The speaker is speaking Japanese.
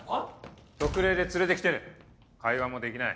特例で連れて来てる会話もできない。